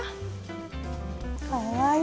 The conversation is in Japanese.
かわいい。